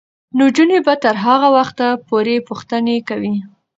نجونې به تر هغه وخته پورې پوښتنې کوي.